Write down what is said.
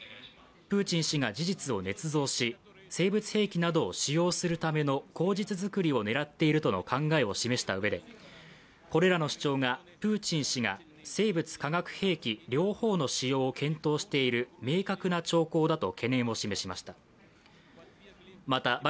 プーチン氏が事実をねつ造し生物兵器などを使用するための口実作りを狙っているとの考えを示したうえでこれらの主張がプーチン氏が生物・化学兵器両方の使用を検討している明確な兆候だと懸念を示しました。